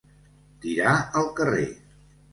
Tirar al carrer.